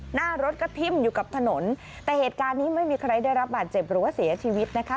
หน้ารถก็ทิ้มอยู่กับถนนแต่เหตุการณ์นี้ไม่มีใครได้รับบาดเจ็บหรือว่าเสียชีวิตนะคะ